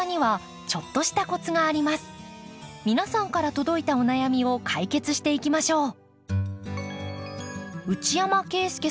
皆さんから届いたお悩みを解決していきましょう。